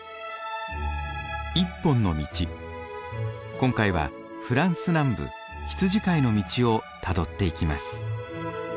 今回はフランス南部羊飼いの道をたどっていきます。